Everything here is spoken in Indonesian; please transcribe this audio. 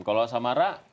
kalau sama ra